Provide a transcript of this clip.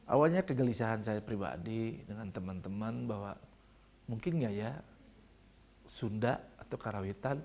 awalnya kegelisahan saya pribadi dengan teman teman bahwa mungkin nggak ya sunda atau karawitan